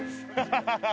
ハハハハ！